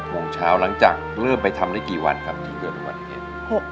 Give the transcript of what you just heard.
โมงเช้าหลังจากเริ่มไปทำได้กี่วันครับที่เกิดอุบัติเหตุ